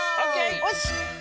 よし！